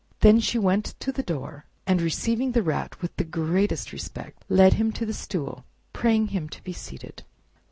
Then she went to the door, and receiving the Rat with the greatest respect, led him to the stool, praying him to be seated.